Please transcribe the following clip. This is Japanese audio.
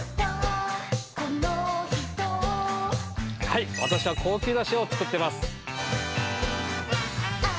はいわたしは高級な塩を作ってます。